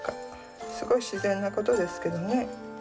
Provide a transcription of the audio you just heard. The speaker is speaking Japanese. すごい自然なことですけどね。